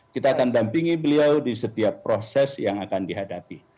kita akan dampingi beliau di setiap proses yang akan dihadapi